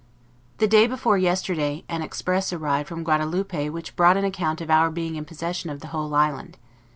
The day before yesterday, an express arrived from Guadaloupe which brought an account of our being in possession of the whole island.